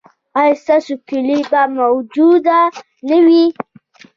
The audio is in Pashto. ایا ستاسو کیلي به موجوده نه وي؟